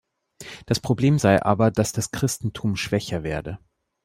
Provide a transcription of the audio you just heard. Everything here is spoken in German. Das Problem sei aber, dass das Christentum schwächer werde.